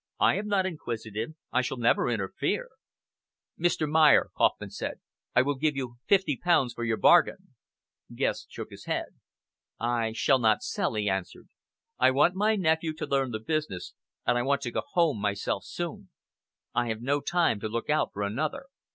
I am not inquisitive. I shall never interfere." "Mr. Mayer," Kauffman said, "I will give you fifty pounds for your bargain!" Guest shook his head. "I shall not sell" he answered. "I want my nephew to learn the business, and I want to go home myself soon. I have no time to look out for another."